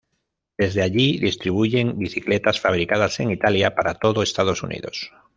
Desde allí distribuyen bicicletas fabricadas en Italia para todo Estados Unidos.